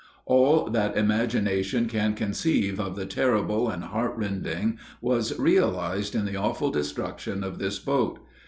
All that imagination can conceive of the terrible and heart rending was realized in the awful destruction of this boat.